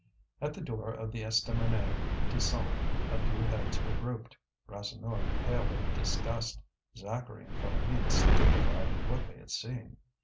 At the door of the Estaminet Tison a few heads were grouped Rasseneur pale with disgust, Zacharie and Philoméne stupefied at what they had seen.